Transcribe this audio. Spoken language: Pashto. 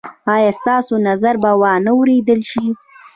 ایا ستاسو نظر به وا نه وریدل شي؟